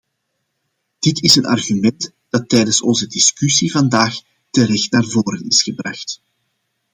Dit is een argument dat tijdens onze discussie vandaag terecht naar voren is gebracht.